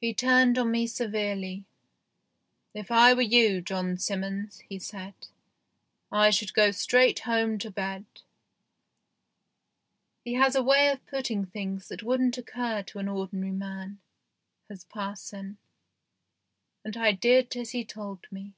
He turned on me severely. " If I were you, John Simmons," he said, " I should go straight home to bed." He has a way of putting things that wouldn't occur to an ordinary man, has parson, and I did as he told me.